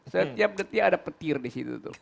setiap detik ada petir di situ tuh